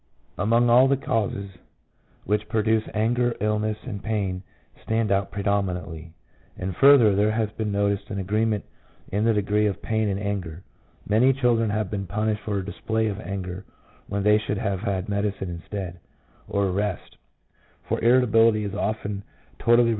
2 Among all the causes which produce anger, illness and pain stand Out pre eminently; 3 and further, there has been noticed an agreement in the degree of pain and anger. 4 Many children have been punished for a display of anger when they should have had medicine instead, or a rest; for irritability is often totally the result of a 1 F.